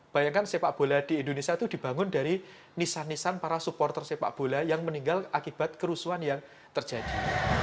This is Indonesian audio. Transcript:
bayangkan sepak bola di indonesia itu dibangun dari nisan nisan para supporter sepak bola yang meninggal akibat kerusuhan yang terjadi